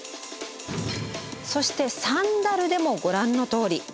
そしてサンダルでもご覧のとおり。